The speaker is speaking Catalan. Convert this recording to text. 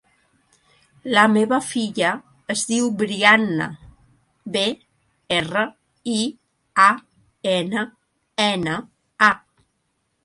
La meva filla es diu Brianna: be, erra, i, a, ena, ena, a.